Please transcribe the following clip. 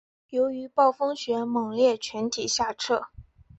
由于暴风雪猛烈全体下撤。